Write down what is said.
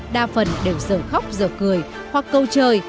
đa phần đều giờ khóc giờ cười hoặc câu trời